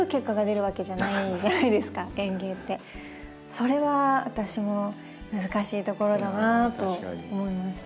それは私も難しいところだなと思います。